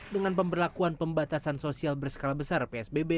dengan pemberlakuan pembatasan sosial berskala besar psbb